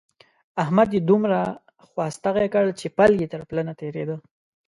احمد يې دومره خوا ستغی کړ چې پل يې تر پله نه تېرېد.